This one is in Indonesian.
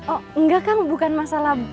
oh enggak kang bukan masalah